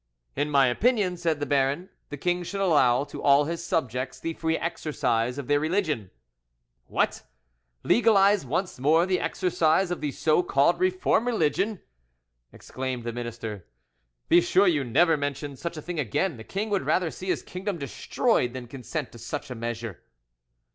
"In my opinion," said the baron, "the king should allow to all his subjects the free exercise of their religion." "What! legalise once more the exercise of the so called Reformed religion!" exclaimed the minister. "Be sure you never mention such a thing again. The king would rather see his kingdom destroyed than consent to such a measure."